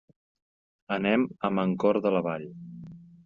Anem a Mancor de la Vall.